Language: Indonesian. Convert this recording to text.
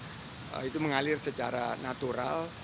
dan itu mengalir secara natural